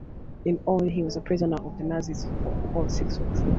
In all, he was a prisoner of the Nazis for about six weeks.